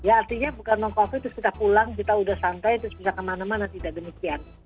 ya artinya bukan non covid terus kita pulang kita udah santai terus bisa kemana mana tidak demikian